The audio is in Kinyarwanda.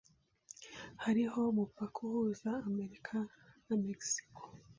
Hariho umupaka uhuza Amerika na Mexico.